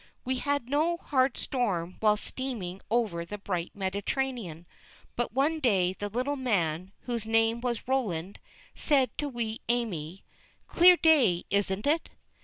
We had no hard storm while steaming over the bright Mediterranean. But one day the little man, whose name was Roland, said to wee Amy: "Clear day, isn't it?"